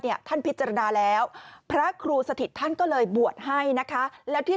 ท่านพิจารณาแล้วพระครูสถิตท่านก็เลยบวชให้นะคะแล้วที่